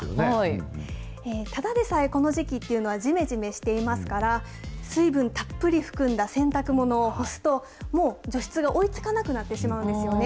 ただでさえこの時期というのは、じめじめしていますから、水分たっぷり含んだ洗濯物を干すと、もう除湿が追いつかなくなってしまうんですよね。